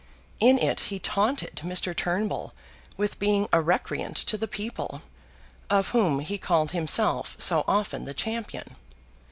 In it he taunted Mr. Turnbull with being a recreant to the people, of whom he called himself so often the champion.